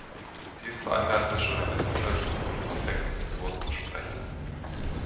Dies veranlasste Journalisten dazu, vom „perfekten Tor“ zu sprechen.